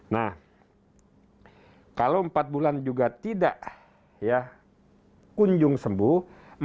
nah kalau empat bulan juga tidak ya kunjung sembuh